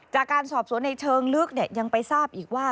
จากการสอบสวนในเชิงลึกยังไปทราบอีกว่า